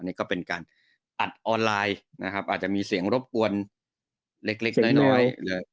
นี่ก็เป็นการอัดออนไลน์นะครับอาจจะมีเสียงรบกวนเล็กน้อย